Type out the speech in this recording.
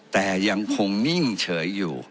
แต่ยังคงนิ่งเฉยอยู่